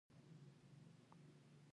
زړه د غم توره شپه رڼا کوي.